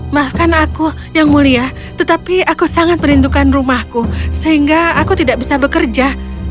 bahkan aku yang mulia tetapi aku sangat merindukan rumahku sehingga aku tidak bisa bekerja